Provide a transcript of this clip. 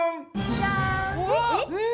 じゃん！